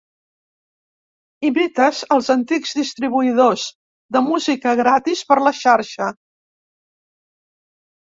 Imites els antics distribuïdors de música gratis per la xarxa.